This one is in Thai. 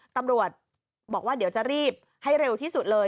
ตำรวจบอกว่าเดี๋ยวจะรีบให้เร็วที่สุดเลย